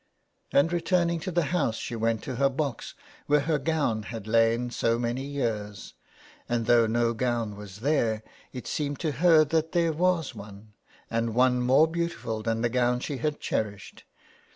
And, returning to the house, she went to her box, where her gown had lain so many years ; and though no gown was there it seemed to her that there was one, and one more beautiful than the gown she had cherished.